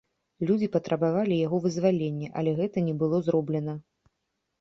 Людзі патрабавалі яго вызвалення, але гэта не было зроблена.